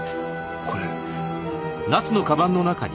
これ。